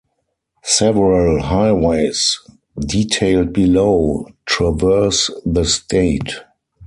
Several highways, detailed below, traverse the state.